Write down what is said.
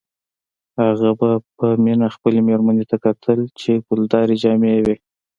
هغه به په مینه خپلې میرمنې ته کتل چې ګلدارې جامې یې وې